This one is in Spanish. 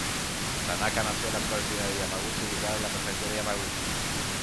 Tanaka nació en la actual ciudad de Yamaguchi ubicada en la prefectura de Yamaguchi.